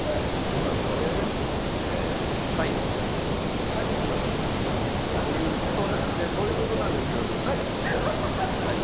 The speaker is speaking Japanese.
どんな動画ですか？ということなんですけども。ということなんですけどってサイ？